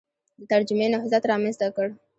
د ترجمې نهضت رامنځته کړ